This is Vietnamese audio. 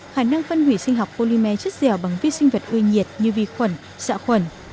khả năng phân hủy sinh học polymer chất dẻo bằng vi sinh vật ưa nhiệt như vi khuẩn dạ khuẩn